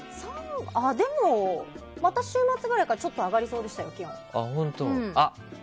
でもまた週末くらいからちょっと上がりそうでしたよ。